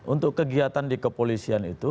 untuk kegiatan di kepolisian itu